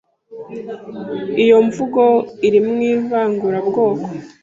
iyo mvugo irimo ivangurabwoko.